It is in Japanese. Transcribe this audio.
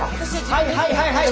はいはいはいはい！